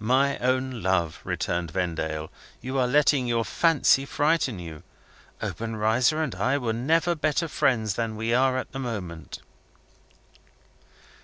"My own love," returned Vendale, "you are letting your fancy frighten you! Obenreizer and I were never better friends than we are at this moment."